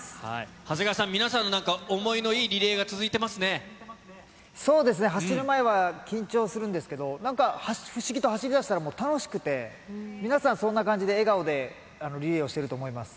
長谷川さん、皆さんの何か、そうですね、走る前は緊張するんですけど、なんか、不思議と走りだしたら楽しくて、皆さん、そんな感じで笑顔で、リレーをしていると思います。